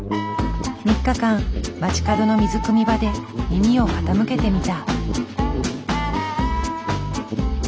３日間街角の水くみ場で耳を傾けてみた。